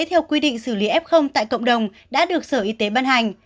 theo quy định xử lý f tại cộng đồng đã được sở y tế ban hành